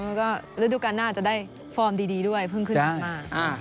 แล้วก็ฤดูการน่าจะได้ฟอร์มดีด้วยเพิ่งขึ้นมา